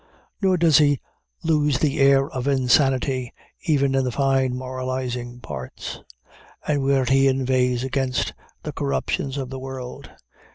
Nor does he lose the air of insanity, even in the fine moralizing parts, and where he inveighs against the corruptions of the world.